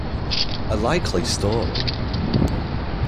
A likely story!